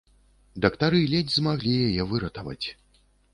Дактары ледзь змаглі яе выратаваць.